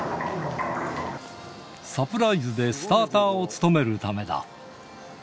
サプライズでスターターを務めるためだ。